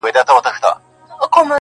• دا تیارې به رڼا کیږي -